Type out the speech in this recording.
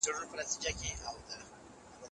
اندېښنه د هغو لپاره ده چې مدارونه یې نامعلوم دي.